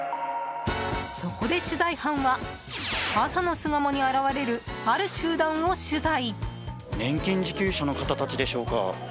そこで取材班は朝の巣鴨に現れるある集団を取材。